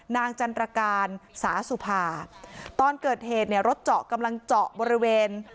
จันตรการสาสุภาตอนเกิดเหตุเนี่ยรถเจาะกำลังเจาะบริเวณ